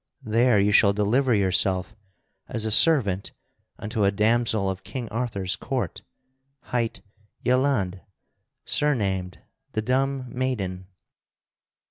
There you shall deliver yourself as a servant unto a damsel of King Arthur's court, hight Yelande, surnamed the Dumb Maiden.